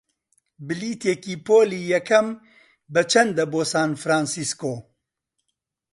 بلیتێکی پۆلی یەکەم بەچەندە بۆ سان فرانسیسکۆ؟